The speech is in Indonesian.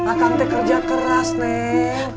akang teh kerja keras nenk